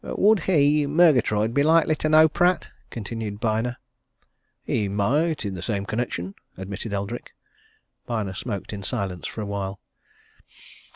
"Would he Murgatroyd be likely to know Pratt?" continued Byner. "He might in the same connection," admitted Eldrick. Byner smoked in silence for a while.